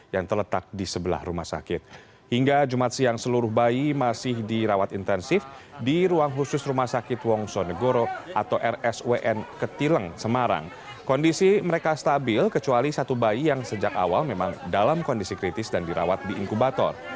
yang sejak awal memang dalam kondisi kritis dan dirawat di inkubator